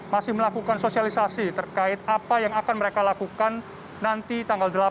masih melakukan sosialisasi terkait apa yang akan mereka lakukan nanti tanggal delapan